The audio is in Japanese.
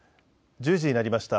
１０時になりました。